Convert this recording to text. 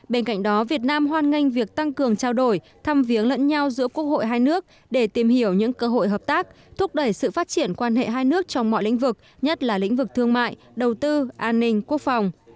bên cạnh đó việt nam hoan nghênh việc tăng cường trao đổi thăm viếng lẫn nhau giữa quốc hội hai nước để tìm hiểu những cơ hội hợp tác thúc đẩy sự phát triển quan hệ hai nước trong mọi lĩnh vực nhất là lĩnh vực thương mại đầu tư an ninh quốc phòng